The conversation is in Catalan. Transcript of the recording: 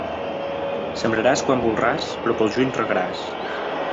Sembraràs quan voldràs, però pel juny regaràs.